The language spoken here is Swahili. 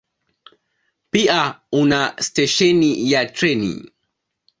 Pia una stesheni ya treni.